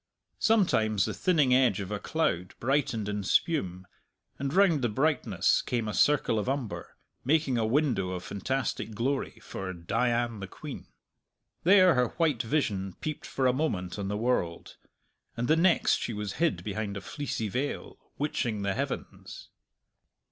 Sometimes the thinning edge of a cloud brightened in spume, and round the brightness came a circle of umber, making a window of fantastic glory for Dian the queen; there her white vision peeped for a moment on the world, and the next she was hid behind a fleecy veil, witching the heavens.